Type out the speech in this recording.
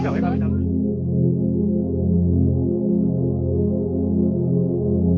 สวัสดีทุกคน